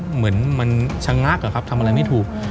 เหมือนมันชะงักอะครับทำอะไรไม่ถูก